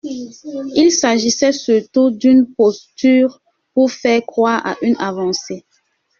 Il s’agissait surtout d’une posture pour faire croire à une avancée.